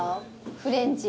フレンチ。